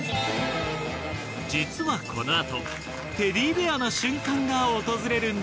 実はこの後テディベアな瞬間が訪れるんだ。